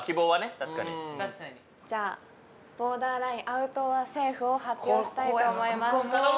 確かにじゃあボーダーラインアウトｏｒセーフを発表したいと思います